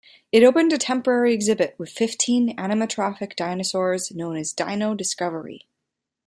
It opened a temporary exhibit with fifteen animatronic dinosaurs known as "Dino Discovery".